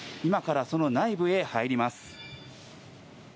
今から、その内部へ入ります。